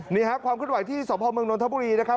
นี่ค่ะความขึ้นไหวที่สพเมืองนทบุรีนะครับ